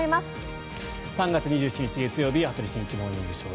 ３月２７日、月曜日「羽鳥慎一モーニングショー」。